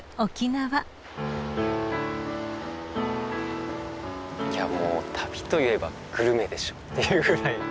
いやもう旅といえばグルメでしょっていうぐらい。